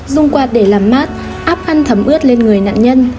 dùng quạt để làm mát áp khăn thấm ướt lên người nạn nhân